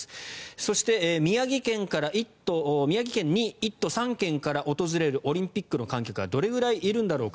そして、宮城県に１都３県から訪れるオリンピックの観客はどれくらいいるんだろうか。